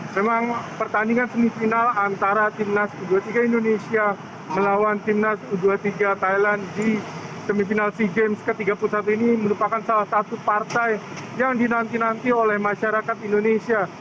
memang pertandingan semifinal antara timnas u dua puluh tiga indonesia melawan timnas u dua puluh tiga thailand di semifinal sea games ke tiga puluh satu ini merupakan salah satu partai yang dinanti nanti oleh masyarakat indonesia